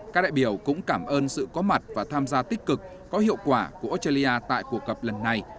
các đại biểu cũng cảm ơn sự có mặt và tham gia tích cực có hiệu quả của australia tại cuộc gặp lần này